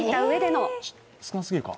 少なすぎるか？